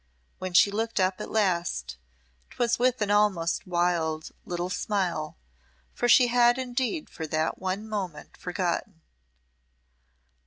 When she looked up at last, 'twas with an almost wild little smile, for she had indeed for that one moment forgotten.